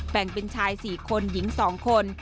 แบ่งเป็นชาย๔คนหญิง๒คน